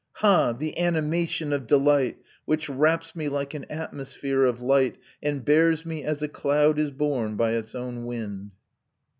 Ha! the animation of delight, Which wraps me like an atmosphere of light, And bears me as a cloud is borne by its own wind!"